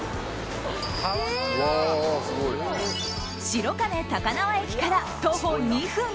白金高輪駅から徒歩２分。